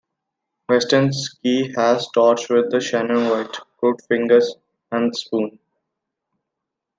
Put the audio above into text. Western Keys has toured with Shannon Wright, Crooked Fingers, and Spoon.